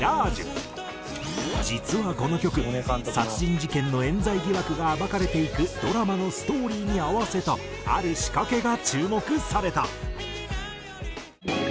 実はこの曲殺人事件の冤罪疑惑が暴かれていくドラマのストーリーに合わせたある仕掛けが注目された。